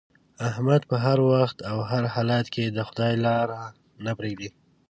احمد په هر وخت او هر حالت کې د خدای لاره نه پرېږدي.